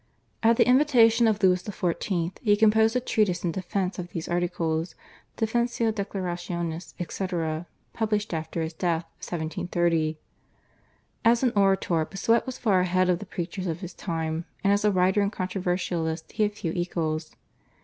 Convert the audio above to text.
At the invitation of Louis XIV. he composed a treatise in defence of these articles, /Defensio Declarationis/, etc., published after his death (1730). As an orator Bossuet was far ahead of the preachers of his time, and as a writer and controversialist he had few equals.